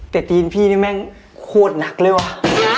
แต่ตีนพี่นี่แม่งขวดหนักเลยว่ะ